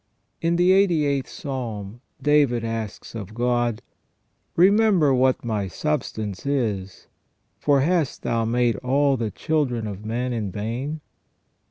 In the 88th Psalm David asks of God :" Remember what my substance is : for hast Thou made all the children of men in vain